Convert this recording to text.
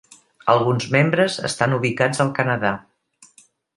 Alguns membres estan ubicats al Canadà.